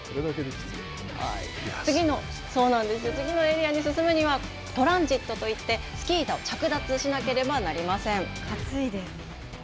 次のエリアに進むにはトランジットといってスキー板を着脱しなければなりません。